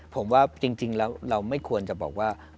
ผมว่าจริงแล้วเราไม่ควรจะบอกว่า